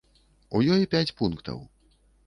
У ёй пяць пунктаў.